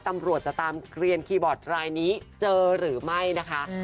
ตำรวจจะตามเกลียนคีย์บอร์ดรายนี้เจอหรือไม่นะคะ